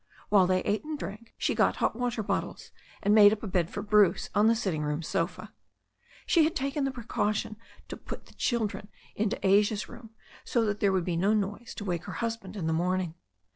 While they ate and drank she got hot water bottles, and made up a bed for Bruce on the sitting room sofa. She had taken the precaution to put all the children into Asia's room, so that there would be no noise to wake her husband in the morning.